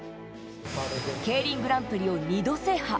ＫＥＩＲＩＮグランプリを２度制覇。